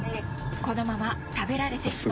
このまま食べられてしまうのか？